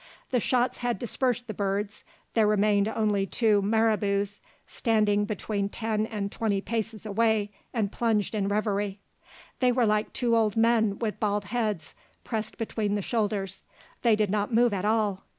The shots had dispersed the birds; there remained only two marabous, standing between ten and twenty paces away and plunged in reverie. They were like two old men with bald heads pressed between the shoulders. They did not move at all.